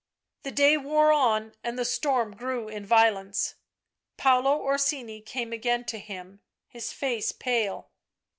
The day wore on and the storm grew in violence. Paolo Orsini came again to him, his face pale.